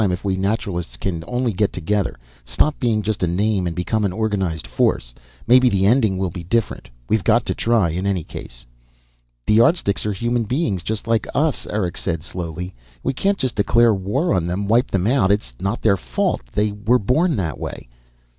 If we Naturalists can only get together, stop being just a name and become an organized force, maybe the ending will be different. We've got to try, in any case." "The Yardsticks are human beings, just like us," Eric said, slowly. "We can't just declare war on them, wipe them out. It's not their fault they were born that way."